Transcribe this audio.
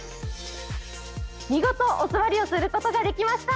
見事お座りをすることができました！